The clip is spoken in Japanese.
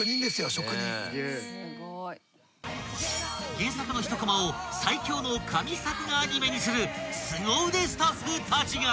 ［原作の一こまを最強の神作画アニメにするすご腕スタッフたちが］